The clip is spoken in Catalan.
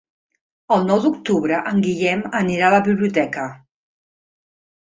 El nou d'octubre en Guillem anirà a la biblioteca.